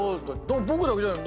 僕だけじゃない。